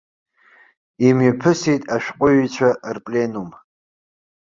Имҩаԥысит ашәҟәыҩҩцәа рпленум.